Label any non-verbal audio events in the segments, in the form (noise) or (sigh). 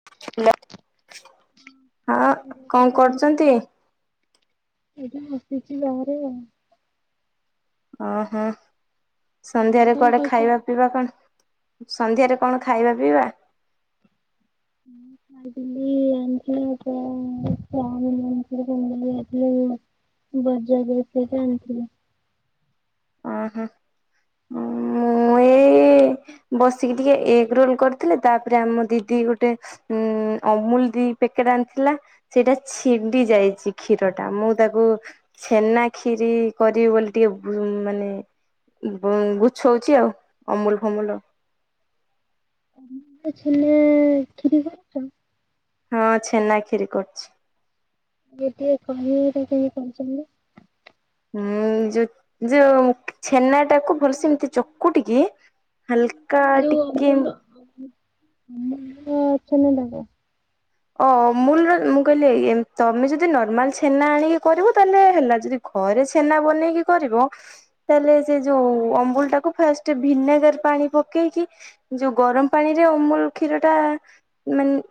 (inaudible) ହଁ କଣ (unintelligible) କରୁଛନ୍ତି? ଏଇଠି ବସିଚି ବାହାରେ। ଓ ହୋ ତମେ ସନ୍ଧ୍ୟାରେ କଣ କୁଆଡେ କରୁଛ? ଖାଇବା (unintelligible) ସନ୍ଧ୍ୟାରେ କଣ ଖାଇବା ପିଇବା? ଖାଇଥିଲି (unintelligible) (unintelligible) ବଜାର ଯାଇଥିଲେ ଯେ ଆଣିଥିଲେ। ଓ ହୋ ମୁଁ ଏଇ ଏଇ ବସିକି ଟିକେ ଏଗ୍ ରୋଲ୍ କରିଥିଲି ତାପରେ ଆମ ଦିଦି ଗୋଟେ ଉଁ- ଅମୁଲ୍ ଦି ପେକେଟ୍ ଆଣିଥିଲା ସେଇଟା ଛିଣ୍ଡି ଯାଇଚି କ୍ଷୀର ଟା ମୁଁ ତାକୁ ଛେନା କ୍ଷୀରି କରିବି ବୋଲି ଟିକେ ଉଁ -ମାନେ ଗୁଛଉଚି ଆଉ ଅମୁଲ୍ ଫମୁଲ୍ ଆଉ। ଏ ଛେନା କ୍ଷୀରି କରିଚ? ହଁ ଛେନା କ୍ଷୀରି କରିଚି। ଟିକେ ଟିକେ କହିବେ ଏଟା କେମିତି କରୁଚନ୍ତି? ଉଁ- ଯଉ ଯଉ ଛେନା ଟାକୁ ଭଲ ସେ ଏମିତି ଚକୁଟିକି ହାଲ୍କା ଟିକେ ଏମ୍ (unintelligible) ଅମୂଲ୍ ର- ମୁଁ କହିଲି ତମେ ଯଦି ନର୍ମାଲ୍ ଛେନା ଆଣିକି କରିବ ତାହେଲେ ହେଲା ଯଦି ଘରେ ଛେନା ବନେଇକି କରିବ ତାହେଲେ ସେ ଯଉ ଅମୂଲ୍ ଟାକୁ ଫାଷ୍ଟେ ଭିନେଗାର୍ ପାଣି ପକେଇକି ଯଉ ଗରମ୍ ପାଣି ରେ ଅମୂଲ୍ କ୍ଷୀର ଟା ମାନେ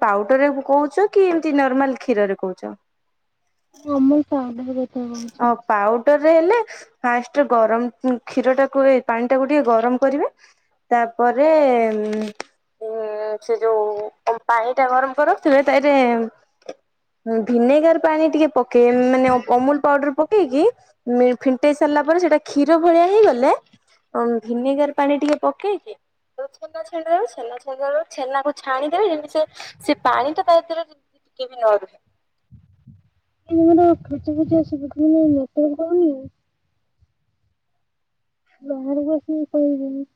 ପାଉଡର୍ ରେ କହୁଚ କି ଏମିତି ନର୍ମାଲ୍ କ୍ଷୀରରେ କହୁଚ? ମୁଁ ଅମୂଲ୍ ପାଉଡର୍ କଥା କହୁଚି। ପାଉଡର୍ ରେ ହେଲେ ଫାଷ୍ଟେ ଗରମ୍ କ୍ଷୀର ଟାକୁ ଏ- ପାଣି ଟାକୁ ଟିକେ ଗରମ୍ କରିବେ ତାପରେ ଏ ସେ ଯଉ ଅ-ପାଣି ଟା ଗରମ୍ କରି ରଖିଥିବେ (unintelligible) ଭିନେଗାର୍ ପାଣି ଟିକେ ପକେଇ ମାନେ ଅ- ଅମୂଲ୍ ପକେଇକି ଫିଣ୍ଟେଇ ସାରିଲା ପରେ ସେଟା କ୍ଷୀର ଭଳିଆ ହେଇଗଲେ ଅଁ- ଭିନେଗାର୍ ପାଣି ଟିକେ ପକେଇକି (unintelligible) ଛେନାକୁ ଛାଣିଦେବେ ଦେବେ ଯେମତି ସେ ପାଣି ଟା ତା ଭିତରେ ଟିକେ ବି ନ ରୁହେ। (unintelligible) ସେବେଠୁ ମୋ ନେଟୱର୍କ ପାଉନି। ବାହରେ ବସି (unintelligible)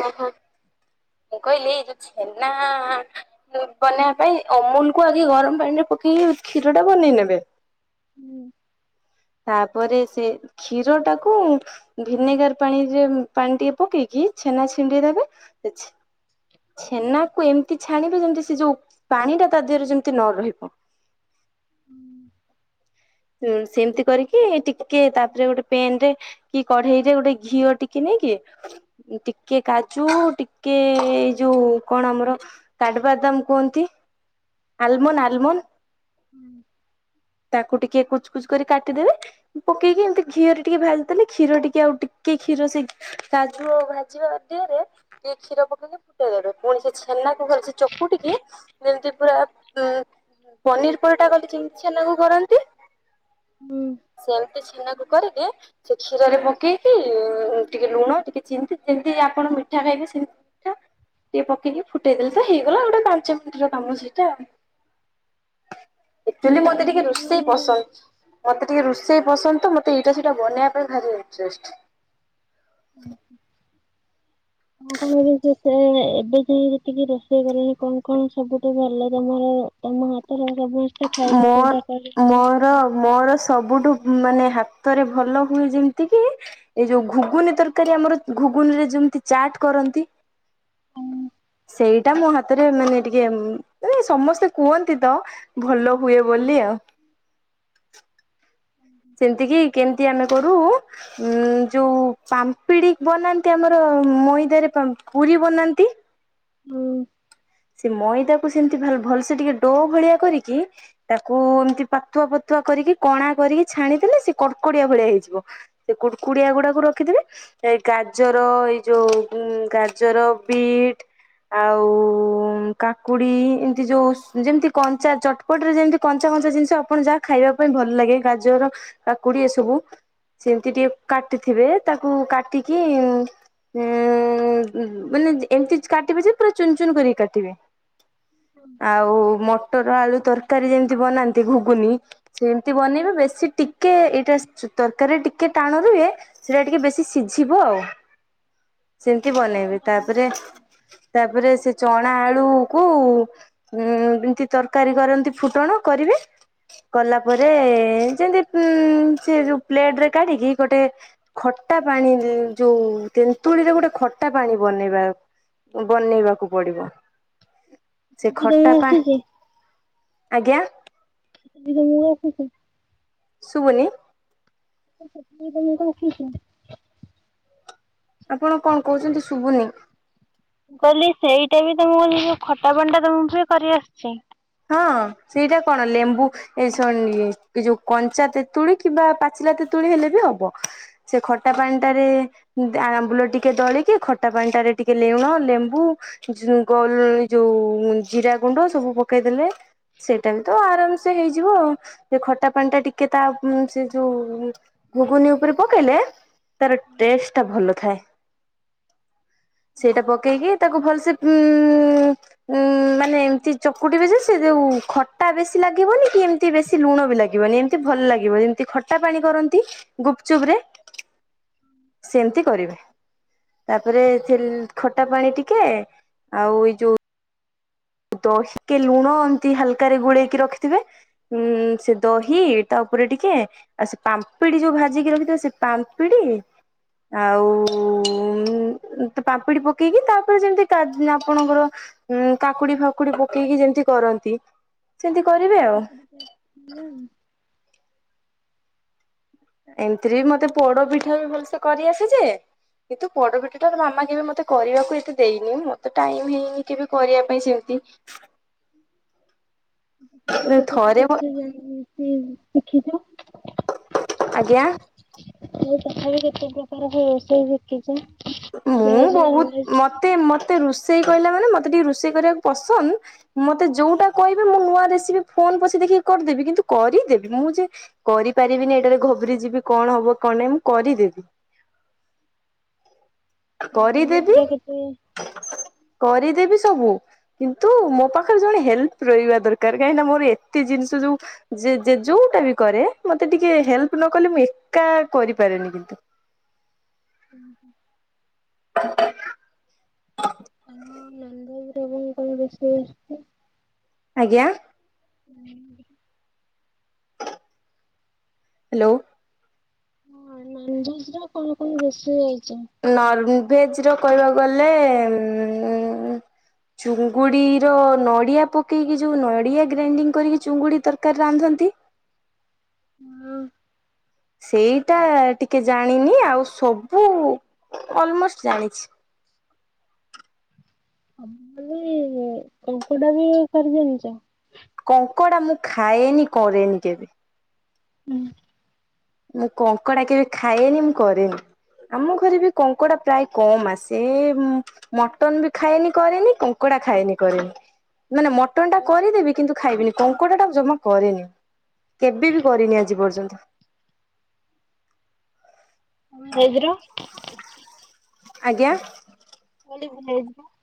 ଓହୋ ମୁଁ କହିଲି ଏଯଉ ଛେନା ବନେଇବା ପାଇଁ ଅମୂଲ୍ କୁ ଆଗେ ଗରମ୍ ପାଣି ରେ ପକେଇକି କ୍ଷୀର ଟା ବନେଇ ନେବେ ହୁଁ ତାପରେ ସେ କ୍ଷୀର ଟାକୁ ଭିନେଗାର ପାଣିରେ ପାଣି ଟିକେ ପକେଇକି ଛେନା ଛିଣ୍ଡେଇ ଦେବ। ସେ ଛ୍ ଛେନାକୁ ଏମିତି ଛାଣିବେ ଯେମିତି ସେ ଯୋଉ ପାଣି ଟା ତା ଦେହରେ ଯେମିତି ନ ରହିବ। ଏ ସେମିତି କରିକି ଟିକେ ତାପରେ ଗୋଟେ ପେନ୍ ରେ କି କଢେଇ ରେ ଗୋଟେ ଘିଅ ଟିକେ ନେଇକି ଟିକେ କାଜୁ ଟିକେ ଏଇ ଯୋଉ କଣ ଆମର କାଡବାଦାମ କୁହନ୍ତି ଆଲମନ୍ ଆଲମନ୍। ହୁଁ। କୁ ଟିକେ କୁଚ୍ କୁଚ୍ କରି କାଟିଦେବେ। ପକେଇକି ଏମତି ଘିଅରେ ଟିକେ ଭାଜି ଦେଲେ କ୍ଷୀର ଟିକେ ଆଉ ଟିକେ କ୍ଷୀର ସେ କାଜୁ ଆଉ ଭାଜିବା ଦିହରେ କିଏ କ୍ଷୀର ପକେଇ କି ଫୁଟେଇଦେବେ। ପୁଣି ସେ ଛେନାକୁ ଭଲ୍ ସେ ଚକୁଟିକି ଯେମତି ପୁରା ଉଁ ପନିର ପରଟା କଲେ ଯେମତି ଛେନାକୁ କରନ୍ ହୁଁ। ସେମତି ଛେନାକୁ କରିକି ଛି କ୍ଷୀରରେ ପକେଇକି ଉଁ ଟିକେ ଲୁଣ ଟିକେ ଚିନି ଯେମିତି ଆପଣ ମିଠା ଖାଇବେ ସିମ୍ ଟା ଟିକେ ପକେଇକି ଫୁଟେଇଦେଲେ ତ ହେଇଗଲା ଗୋଟେ ପାଞ୍ଚ ମିନିଟର କାମ ସେଇଟା। ଏକଚୁଲି ମତେ ଟିକେ ରୋଷେଇ ହୁଁ। ପସନ୍ଦ। ମତେ ଟିକେ ରୁଷେଇ ପସନ୍ଦ ତ ମତେ ଏଇଟା ସେଇଟା ବନେଇବା ପାଇଁ ଭାରି ଇଣ୍ଟ୍ରେଷ୍ଟ। କଁ କଁ ହେଇଯାଇ ସେ ଏବେ ଯାଇଁ ଯେତିକି ରୋଷେଇ କଲଣି କଣ କଣ ସବୁଠୁ ଭଲ ତମର ତମ ହାତର ସବୁ? ମ ମର ମର ସବୁଠୁ ମାନେ ହାତରେ ଭଲ ହୁଏ ଯେମତି କି ଏଇ ଯୋଉ ଘୁଗୁନି ତରକାରୀ ଆମର ଘୁଗୁନି ରେ ଯେମତି ଚାଟ୍ କରନ୍ତି ସେଇଟା ମୋ ହାତରେ ମାନେ ଟିକେ ମାନେ ସମସ୍ତେ କୁହନ୍ତି ତ। ଭଲ ହୁଏ ବୋଲି ଆଉ। ସେମତିକି କେମତି ଆମେ କରୁ? ଉଁ ଯୋଉ ପାମ୍ପିଡି ବନାନ୍ତି ଆମର ମଇଦାରେ ପାମ୍ ପୁରୀ ବନାନ୍ତି ହୁଁ ସେ ମଇଦାକୁ ସେମତି ଭଲ୍ ଭଲ୍‌ସେ ଟିକେ ଡୋ ଭଳିଆ କରିକି ତାକୁ ଏମତି ପତଳା ପତଳା କରିକି କଣା କରିକି ଛାଣିଦେଲେ ସେ କଡ୍‌କଡିଆ ଭଳିଆ ହେଇଯିବ। ସେ କୁଡ୍‌କୁଡିଆଗୁଡାକୁ ରଖିଥିବେ। ଏ ଗାଜର ଏଇ ଯୋଉ ଉଁ ଗାଜର ବିଟ୍ ଆଉ ଉଁ କାକୁଡି ଏମତି ଯୋଉ ଯେମତି କଞ୍ଚା ଚଟ୍ ପଟ୍ ରେ ଯେମତି କଞ୍ଚା କଞ୍ଚା ଜିନିଷ ଆପଣ ଯା ଖାଇବା ପାଇଁ ଭଲ ଲାଗେ, ଗାଜର କାକୁଡି ଏ ସବୁ। ସେମତି ଟିକେ କାଟିଥିବେ ତାକୁ କାଟିକି ଉଁ ଗୁଁ ମାନେ ଏମତି କାଟିବେ ଯେ ପୁରା ଚୁନ୍‌ ଚୁନ୍‌ କରିକି କାଟ୍ ଟିବେ। ଆଉ ମଟର ଆଳୁ ତରକାରୀ ଯେମତି ବନାନ୍ତି ଘୁଗୁନି ସେମତି ବନେଇବେ, ବେଶୀ ଟିକେ ଏଇଟା ସ ତରକାରୀରେ ଟିକେ ଟାଣ ରୁହେ। ସେଟା ଟିକେ ବେଶୀ ସିଝିବ ଆଉ। ସେମତି ବନେଇବେ ତାପରେ ତାପରେ ସେ ଚଁ ଣା ଆଳୁକୁ ଉଁ ଏମତି ତରକାରୀ କରନ୍ତି ଫୁଟଣ କରିବେ। କଲା ପରେ ଯେମତି ଉଁ ସେ ଯୋଉ ପ୍ଲେଟ ରେ କାଢିକି ଗୋଟେ ଖଟା ପାଣି ଯି ଯୋଉ ତେନ୍ତୁଳିରେ ଗୋଟେ ଖଟା ପାଣି ବନେଇବା। ବନେଇବାକୁ ପଡିବ। ସେ ବି ଖଟା ତମକୁ ପା ଆସୁଛି ଆଜ୍ଞା। ନିଜେ ମୁଁ ରଖିଚି। ଶୁଭୁନି? (unintelligible) ଆପଣ କଣ କହୁଛନ୍ତି ଶୁଭୁନି? କହିଲି ସେଇଟା ବି ତମକୁ କ ଖଟା ପାଣି ଟା ତମକୁ ମିସେ କରିଆସିଛି? ହଁ ସେଇଟା କଣ ଲେମ୍ବୁ ଏ ଶନ୍‌ ଏ ଯୋଉ କଞ୍ଚା ତେତୁଳି କିମ୍ବା ପାଚିଲା ତେତୁଳି ହେଲେ ବି ହବ। ସେ ଖଟା ପାଣିଟାରେ ଉଁ ଗା ଆମ୍ବୁଲ ଟିକେ ଦଳିକି ଖଟା ପାଣିଟାରେ ଟିକେ ଲୁଣ ଲେମ୍ବୁ ଯ ଗୋଲ ଏ ଯୋଉ ଜିରା ଗୁଣ୍ଡ ସବୁ ପକେଇଦେଲେ। ସେଇଟା ବି ତ ଆରାମ୍ ସେ ହେଇଯିବ ଆଉ ଯୋଉ ଖଟା ପାନ୍‌ ଟା ଟିକେ ତା ମ୍ ସେ ଯୋଉ ଘୁଗୁନି ଉପରେ ପକେଇଲେ ତାର ଟେଷ୍ଟ ଟା ଭଲ ଥାଏ। ସେଇଟା ପକେଇକି ତାକୁ ଭଲସେ ଉ ଉ ମାନେ ଏମତି ଚ କୁଟି ବେ ଯେ ସେ ଯଉଁ ଖଟା ବେଶୀ ଲାଗିବନି କି ଏମିତି ବେଶି ଲୁଣ ବି ଲାଗିବନି ଏମତି ଭଲ ଲାଗିବ ଯେମିତି ଖ ଖଟା ପାଣି କରନ୍ତି ଗୁପଚୁପ ରେ ସେମିତି କରିବେ। ତାପରେ ଥିଲ୍ ଖଟା ପାଣି ଟିକେ ଆଉ ଏଇ ଯୋଉ ତ ସୀକେ ଲୁଣ ଏମତି ହାଲକାରେ ଗୋଳେଇକି ରଖିଥିବେ ହୁଁ ସେ ଦହି ତା ଉପରେ ଟିକେ ଆଉ ସେ ପାମ୍ପିଡି ଯୋଉ ଭାଜିକି ରଖିଥିବା ସେ ପାମ୍ପିଡି। ଆଉ ପାମ୍ପିଡ଼ି ପକେଇକି ତାପରେ ଯେମିତି କା ଆପଣଙ୍କର ଉଁ କାକୁଡି ଫାକୁଡି ପକେଇକି ଯେମିତି କରନ୍ତି ସେମିତି କରିବେ ଆଉ। (unintelligible) ଏମିତିରେ ବି ମତେ ପୋଡ ପିଠା ବି ଭଲସେ କରି ଆସେ ଯେ କିନ୍ତୁ ପୋଡ ପୀଠ ଟା ମାମା କେବେ ମତେ କରିବାକୁ ଏତେ ଦେଇନି ମତେ ଟାଇମ ହେଇନି କେବେ କରିବା ପାଇଁ ସେମିତି। (unintelligible) କେତେ ଥରେ ପ୍ରକାର ସେ ଜଣି ଶିଖିଛ? ଆଜ୍ଞା? ଆଉ ତଥାପି କେତେ ପ୍ରକାର ହ ରୋଷେଇ ସି? ମୁଁ ବହୁତ ମତେ ମତେ ରୋଷେଇ କହିଲା ମାନେ ମତେ ଟିକେ ରୁଷେଇ କରିବାକୁ ପସନ୍ଦ। ମତେ ଯୋଉଟା କହିବେ ମୁଁ ନୂଆ ରେସିପି ଫୋନ ପଛେ ଦେଖିକି କରିଦେବି କିନ୍ତୁ କରିଦେବି। ମୁଁ ଯେ କରିପାରିବିନି ଏଇଟାରେ ଘବୁର ଯିବି କଣ ହବ କଣ ନାହିଁ ମୁଁ କରିଦେବି। ନନଭେଜ କରିଦେବି ର କେତେ କରିଦେବି ସବୁ କିନ୍ତୁ ମୋ ପାଖରେ ଜଣେ ହେଲ୍ପ ରହିବା ଦରକାର କାହିଁକି ନା ମୋର ଏତେ ଜିନିଷ ଯୋଉ ଯେ ଯୋଉଟା ବି କରେ ମତେ ଟିକେ ହେଲ୍ପ ନ କଲେ ମୁଁ ଏକା କରିପାରେନି କିନ୍ତୁ। ହୁଁ ହୁଁ। (inaudible) ହଁ ନନ୍ଦବରବଙ୍କର ବେଶୀ ଆଛି (unintelligible) ଆଜ୍ଞା। ହୁଁ। ହ୍ୟାଲୋ। ହଁ ନନଭଜ ର କଣ କଣ ରୋଷେଇ ଆଇଛି ନନ୍ ଭେଜ୍ ର କହିବାକୁ ଗଲେ ଉ ଚୁଙ୍ଗୁଡ଼ିର ନଡ଼ିଆ ପକେଇକି ଯେଉ ନଡ଼ିଆ ଗ୍ରାଇଣ୍ଡିଙ୍ଗ କରିକି ଚୁଙ୍ଗୁଡ଼ି ତରକାରୀ ରାନ୍ଧନ୍ତି। ହଁ। ସେଇଟା ଟିକେ ଜାଣିନି ଆଉ ସବୁ ଅଲମୋଷ୍ଟ ଜାଣିଛି। ସବୁ କ କଙ୍କୁଡା ବି ସରି ଜଣିଛ। କଙ୍କଡା ମୁଁ ଖାଏନି କରେନି କେବେ। ମୁଁ କଙ୍କଡା କେବେ ଖାଏନି ମୁଁ କରେନି। ଆମ ଘରେ ବି କଙ୍କଡା ପ୍ରାୟ କମ୍ ଆସେ। ମଟନ ବି ଖାଏନି କରେନି କଙ୍କଡା ଖାଏନି କରେନି। ମାନେ ମଟନ ଟା କରିଦେବି କିନ୍ତୁ ଖାଇବିନି କଙ୍କଡା ଟା ଜମା କରେନି। କେବେ ବି କରିନି ଆଜି ପର୍ଯ୍ୟନ୍ତ। ସେଇଥିରୁ। ଆଜ୍ଞା। (unintelligible)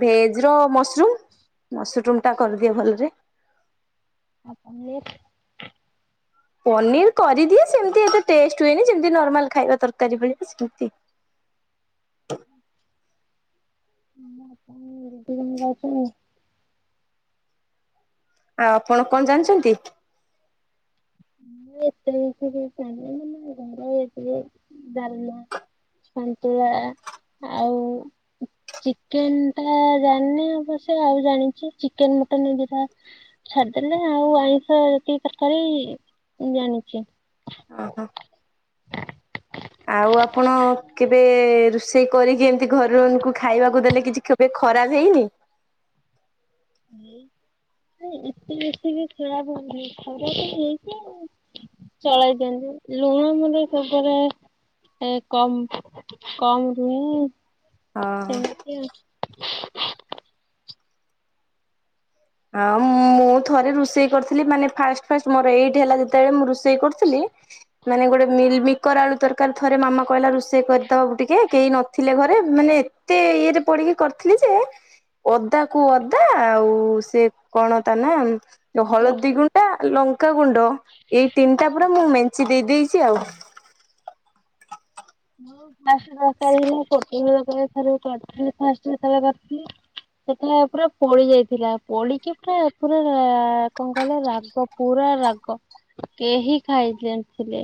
ଭେଜ ର ମସରୁମ ମସରୁମ ଟା କରିଦିଅ ଭଲରେ। ଆପଣ ପନିର୍ କରିଦିଏ ସେମିତି ଏତେ ଟେଷ୍ଟ ହୁଏନି ଯେମିତି ନର୍ମାଲ ଖାଇବା ତରକାରୀ ଭଳି ସେମିତି ହୁଁ। ହ ଆପଣ କେମି ଯାଉଛନ୍ତିି। ଆଉ ଆପଣ କଣ ଜାଣିଛନ୍ତି? ମୁଁ ଏତେ ମିଷ ଚାଣିଲ ଘର ଟେ ଡାଲମା। ସନ୍ତୁଳା ଆଉ ଚିକେନ ଟା ଜାଣିନି ଅବଶ୍ୟ ସେ୍ୟ ଆଉ ଜାଣିଛି ଚିକେନ ମଟନ୍ ଏ ଛାଡିଦେଲେ ଆଉ ଆଇଁଷ ଯେତିକି ତରକାରୀ ଜାଣିଛି। ଓହୋ। ଆଉ ଆପଣ କେବେ ରୋଷେଇ କରିକି ଏମିତି ଘରଙ୍କୁ ଖାଇବାକୁ ଦେଲେ କିଛି କେବେ ଖରାପ ହେଇନି। ନାଇ ଏତେ ବେଶୀ ବି ଖରାପ ହେଇନି ଖରାପ ହେଇଛି। ଚଳେଇ ଦିଅନ୍ତି ଲୁଣ ମର ସବରେ ଏ କମ କମ ରୁହେ। ଓହୋ। ଏମିତି ଆଉ। ହଁ ମୁଁ ଥରେ ରୋଷେଇ କରିଥିଲି ମାନେ ଫାଷ୍ଟ ଫାଷ୍ଟ ମୋର ଏଇଟ ହେଲା ଯେତେବେଳେ ମୁଁ ରେଇ ସେଇ କରୁଥିଲି। ମାନେ ଗୋଟେ ମିକର ଆଳୁ ତରକାରୀ ଥରେ ମାମା କହିଲା ରୋଷେଇ କରିଦବ ଟିକେ କେହି ନଥିଲେ ଘରେ ମାନେ ଏତେ ଇଏରେ ପଡିକି କରିଥିଲି ଯେ ଅଦା କୁ ଅଦା ଆଉ ସେ କଣ ତା ନା ହଳଦୀ ରସୁଣ ଗୁଣ୍ଡା ଲଙ୍କା ଗୁଣ୍ଡ। ଏଇ ତିନିଟା ପୁରା ମୁଁ ମେଞ୍ଚେ ଦେଇ ଦେଇଛି ଆଉ। ମୁଁ ଫା ଦର ହେଥିଲା କୋଟିଥିଲି ଫାଷ୍ଟ ଯେତେବେଳ କରିଥିଲି। ସେତେବେଲେ ପୁରା ପୋଳି ଯାଇଥିଲା ପୋଳିକି ପୁରା ପୁରା କଣ କହିଲ ରାଗ ପୁରା ରାଗ କେହି ଖାଇଣି ଥିଲେ।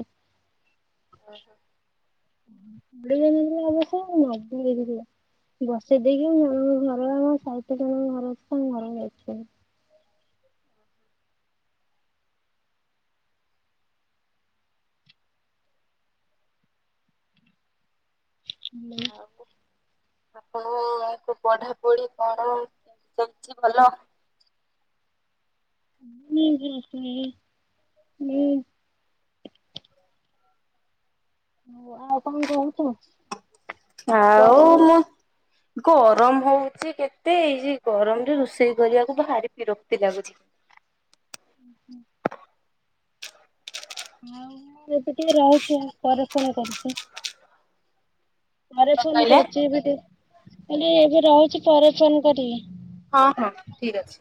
ଓ ହୋ। ଥିଲେ ଅବଶ୍ୟ ମୁଁ ନ ହେ ବସେଇ ଦେଇକି ଜ ଘର ଆମ ସହିତ ଜଣ ଘର ଅ ଆଙ୍କ ଘର ଯାଇ। ଓ ହୋ। (unintelligible) ହଉୋ। ଆପଣ ପଢାପଢି କଣ ଚାଲିଛି ଭଲ ହୁଁ ହଁ ହୁଁ ହୁଁ ହ ଆଉ କଣ କହୁଛୁ? ଆଉ ମୁଁ ଗରମ ହଉଚ କେତେ ଏଇ ଗରମରେ ରୋଷେଇ କରିବାକୁ ଭାରି ବିରକ୍ତି ଲାଗୁଛି। ହୁଁ ହୁଁ ମୁଁ ଏବେ ଟିକେ ରହୁଛି ପରେ ଫୋନ କରିଛି ପରେ କଣ ଫୋନ କହିଲେ କରୁଛି ଏ ଟିକ କହିଲି ଏବେ ରହୁଛି ପରେ ଫୋନ କରିକି ହଁ ହଁ ଠିକ ଅଛି